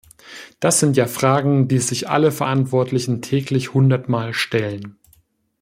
Das sind ja Fragen, die sich alle Verantwortlichen täglich hundertmal stellen.